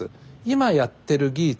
今やってる技術